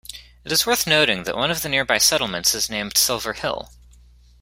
It is worth noting that one of the nearby settlements is named Silver Hill.